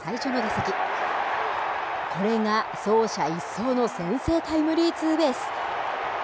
これが走者一掃の先制タイムリーツーベース。